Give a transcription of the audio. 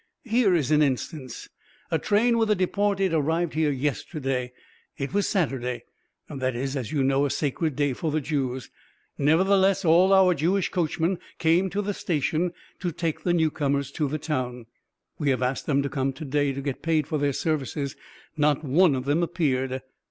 Here is an instance. A train with the deported arrived here yesterday. It was Saturday. That is, as you know, a sacred day for the Jews. Nevertheless, all our Jewish coachmen came to the station to take the newcomers to the town. We have asked them to come to day to get paid for their services. Not one of them appeared.